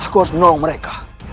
aku harus menolong mereka